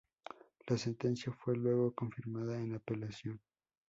La sentencia fue luego confirmada en apelación.